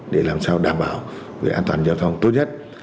để làm sao đảm bảo về an toàn giao thông tốt nhất